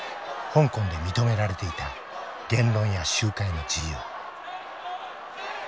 香港で認められていた言論や集会の自由。